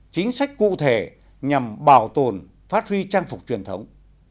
chính sách cụ thể nhằm bảo tồn phát huy trang phục truyền thống